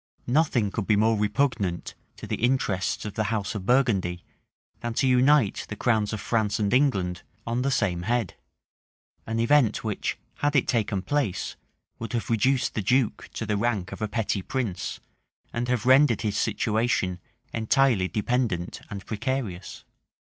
* Monstrelet, vol. ii. p. 90. Grafton, p. 561. Nothing could be more repugnant to the interests of the house of Burgundy, than to unite the crowns of France and England on the same head; an event which, had it taken place, would have reduced the duke to the rank of a petty prince, and have rendered his situation entirely dependent and precarious.